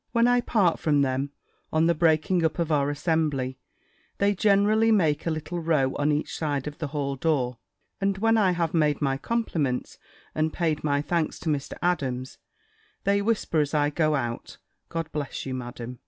When I part from them, on the breaking up of our assembly, they generally make a little row on each side of the hall door; and when I have made my compliments, and paid my thanks to Mr. Adams, they whisper, as I go out, "God bless you, Madam!"